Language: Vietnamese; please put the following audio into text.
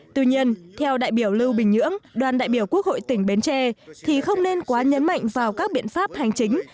tuy nhiên theo đại biểu lưu bình nhưỡng đoàn đại biểu quốc hội tỉnh bến tre thì không nên quá nhấn mạnh vào các biện pháp hành chính